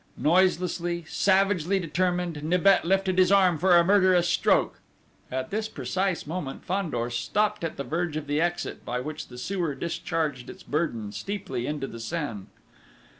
Noiselessly, savagely determined, Nibet lifted his arm for a murderous stroke. At this precise moment Fandor stopped at the verge of the exit, by which the sewer discharged its burden steeply into the Seine.